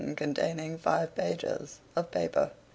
Containing five pages of paper.